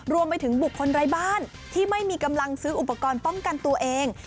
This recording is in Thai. รวมไปถึงบุคคลไร้บ้านที่ไม่มีกำลังซื้ออุปกรณ์ป้องกันตัวเอง